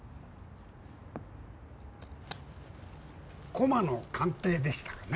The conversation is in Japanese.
駒の鑑定でしたかね。